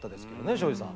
庄司さん。